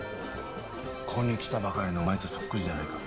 ここに来たばかりのお前とそっくりじゃないか。